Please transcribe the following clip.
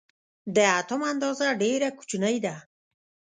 د اتوم اندازه ډېره کوچنۍ ده.